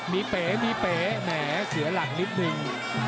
มีเป๋มีเป๋แหมเสียหลักนิดนึง